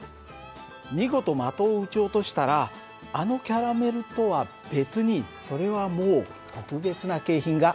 見事的を撃ち落としたらあのキャラメルとは別にそれはもう特別な景品がございます。